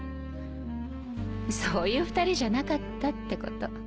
そういう２人じゃなかったってこと。